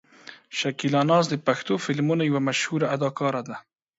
شکیلا ناز د پښتو فلمونو یوه مشهوره اداکاره ده.